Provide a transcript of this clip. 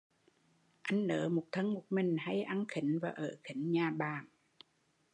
Anh nớ một thân một mình, hay ăn khính và ở khính nhà bạn